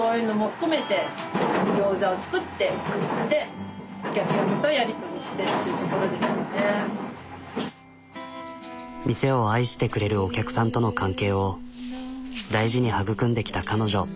で店を愛してくれるお客さんとの関係を大事に育んできた彼女。